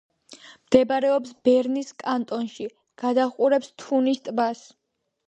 მდებარეობს ბერნის კანტონში, გადაჰყურებს თუნის ტბას.